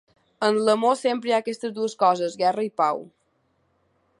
En l'amor sempre hi ha aquestes dues coses: guerra i pau.